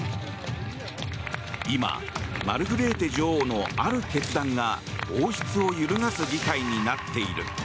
今、マルグレーテ女王のある決断が王室を揺るがす事態になっている。